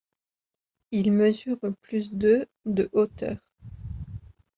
Il mesure plus de de hauteur.